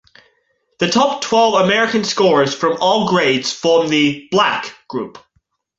The top twelve American scorers from all grades form the "black" group.